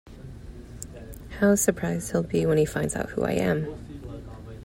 How surprised he’ll be when he finds out who I am!